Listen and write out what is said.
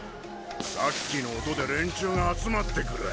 さっきの音で連中が集まってくる。